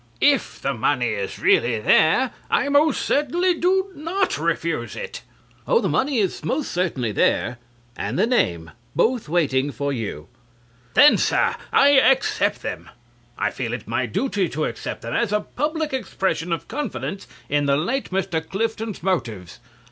If the money is really there, I most certainly do not refuse it. CLIFTON. Oh, the money is most certainly there and the name. Both waiting for you. CRAWSHAW (thumping the table). Then, Sir, I accept them. I feel it my duty to accept them, as a public expression of confidence in the late Mr. Clifton's motives.